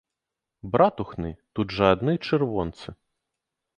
Братухны, тут жа адны чырвонцы!